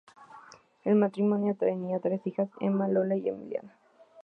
El matrimonio tendría tres hijas: Emma, Lola y Emiliana.